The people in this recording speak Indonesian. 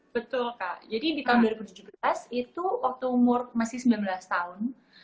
betul kak jadi di tahun dua ribu tujuh belas itu waktu umur masih sembilan belas tahun